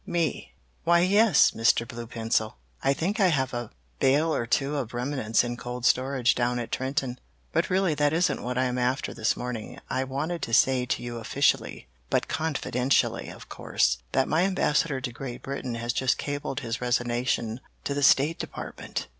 "Me Why, yes, Mr. Bluepencil. I think I have a bale or two of remnants in cold storage down at Trenton. But really that isn't what I am after this morning. I wanted to say to you officially, but confidentially, of course, that my Ambassador to Great Britain has just cabled his resignation to the State Department.